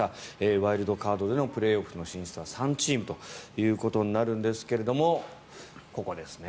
ワイルドカードでのプレーオフの進出は３チームということになるんですがここですね。